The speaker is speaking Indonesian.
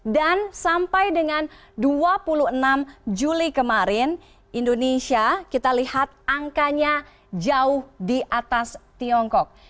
dan sampai dengan dua puluh enam juli kemarin indonesia kita lihat angkanya jauh di atas tiongkok